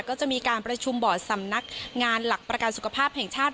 ก็จะมีการประชุมบอร์ดสำนักงานหลักประกันสุขภาพแห่งชาติ